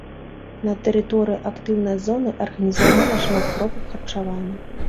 На тэрыторыі актыўнай зоны арганізавана шмат кропак харчавання.